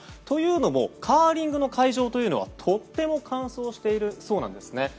というのもカーリングの会場というのはとっても乾燥しているそうなんです。